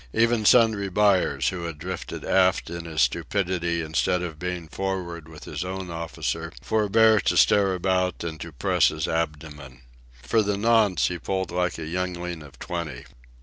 Even Sundry Buyers, who had drifted aft in his stupidity instead of being for'ard with his own officer, forebore to stare about and to press his abdomen. For the nonce he pulled like a youngling of twenty.